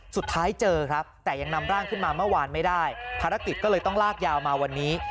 เจอครับแต่ยังนำร่างขึ้นมาเมื่อวานไม่ได้ภารกิจก็เลยต้องลากยาวมาวันนี้